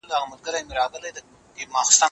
راسه چي له ښاره سره ووزو پر بېدیا به سو